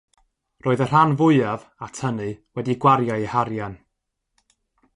Roedd y rhan fwyaf, at hynny, wedi gwario eu harian.